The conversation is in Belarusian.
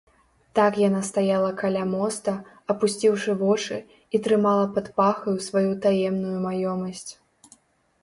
Так яна стаяла каля моста, апусціўшы вочы, і трымала пад пахаю сваю таемную маёмасць.